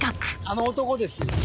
あの男ですよ。